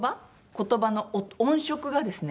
言葉の音色がですね